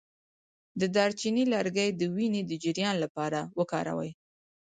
د دارچینی لرګی د وینې د جریان لپاره وکاروئ